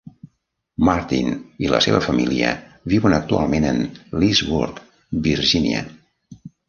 Martin i la seva família viuen actualment en Leesburg, Virginia.